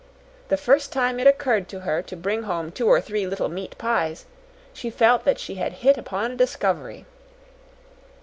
The first time it occurred to her to bring home two or three little meat pies, she felt that she had hit upon a discovery.